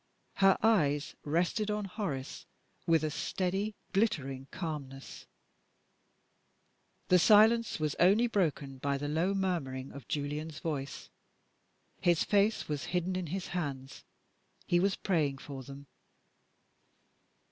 Her eyes rested on Horace with a steady, glittering calmness. The silence was only broken by the low murmuring of Julian's voice. His face was hidden in his hands he was praying for them.